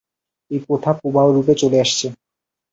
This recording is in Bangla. এই প্রথা প্রবাহরূপে চলে আসছে।